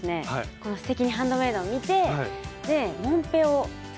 この「すてきにハンドメイド」を見てでもんぺを作りました。